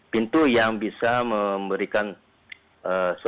pintu yang bisa memberikan pengumuman di pintu masuk